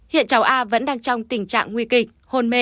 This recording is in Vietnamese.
hiện cháu a vẫn đang trong tình trạng nguy kịch hôn mê